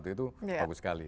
itu bagus sekali